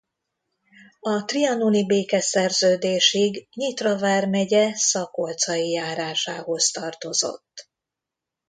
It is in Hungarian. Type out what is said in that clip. A trianoni békeszerződésig Nyitra vármegye Szakolcai járásához tartozott.